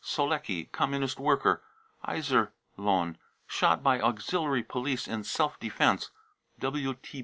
solecki, Communist worker, Iserlohn, shot by auxiliary police 44 in self defence.